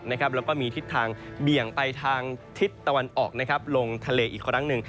แล้วก็มีทิศทางเบี่ยงไปทางทิศตะวันออกลงทะเลอีกครั้งหนึ่ง